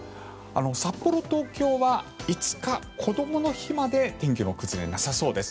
札幌、東京は５日こどもの日まで天気の崩れなさそうです。